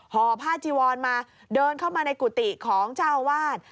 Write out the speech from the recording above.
ห่อผ้าจีวรมาเดินเข้ามาในกุฏิของเจ้าอาวาส